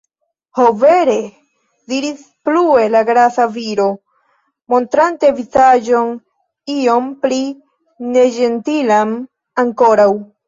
Ho, vere!? diris plue la grasa viro, montrante vizaĝon iom pli neĝentilan ankoraŭ.